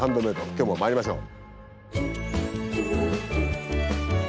今日もまいりましょう。